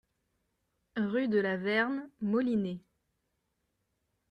Rue de la Verne, Molinet